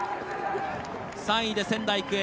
３位で仙台育英。